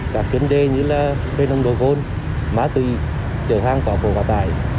các chuyến đề như là về nông đội côn má tùy chợ hàng quả phổ quả tải